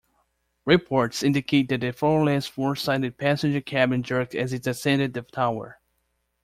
Reports indicate that the floorless, four-sided passenger cabin jerked as it ascended the tower.